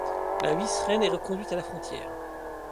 La vice-reine est reconduite à la frontière.